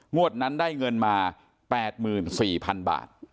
งวดนั้นได้เงินมา๘หมื่น๔พันบาท